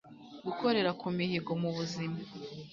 gukorera ku mihigo mu buzima